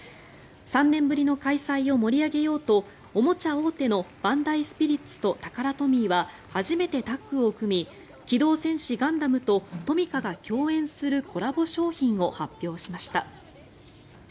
３年ぶりの開催を盛り上げようとおもちゃ大手のバンダイスピリッツとタカラトミーは初めてタッグを組み「機動戦士ガンダム」とトミカが共演するコラボ商品を発表しました。